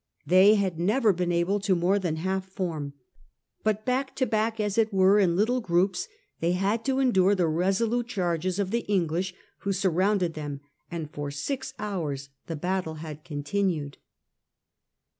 They had never been able to more than half form, but back to back, as it were, in little groups, they had to endure the resolute charges of the English who surrounded them, and for six hours the battle had continued.